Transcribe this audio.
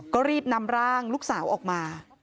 ก็รีบนำร่างลูกสาวออกมา